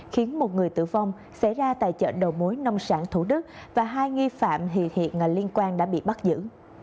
khiến một người tử vong xảy ra tại chợ đầu mối nông sản thủ đức và hai nghi phạm thì hiện liên quan đã bị bắt giữ